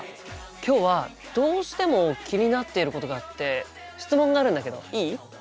今日はどうしても気になっていることがあって質問があるんだけどいい？